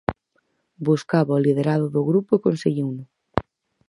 Buscaba o liderado do grupo e conseguiuno.